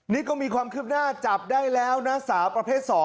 นี่ก็มีความคืบหน้าจับได้แล้วนะสาวประเภท๒